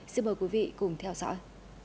xin mời quý vị cùng theo dõi